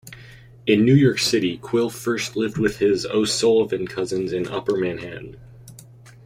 In New York City Quill first lived with his O'Sullivan cousins in upper Manhattan.